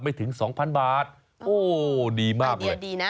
ไม่ถึง๒๐๐๐บาทโอ้โหดีมาดเลย